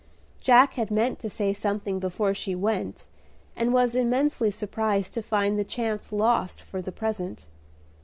Jack had meant to say something before she went, and was immensely surprised to find the chance lost for the present.